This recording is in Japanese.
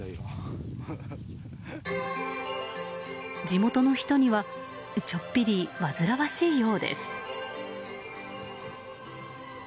地元の人にはちょっぴり煩わしいようです。